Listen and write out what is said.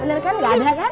bener kan gak ada kan